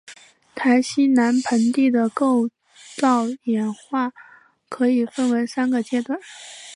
台西南盆地的构造演化可以分为三个阶段。